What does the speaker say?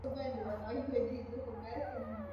na uchafuzi wa hali ya hewa kulingana na kundi la